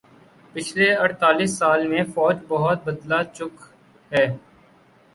پچھلے اڑتالیس سالہ میں فوج بہت بدلہ چک ہے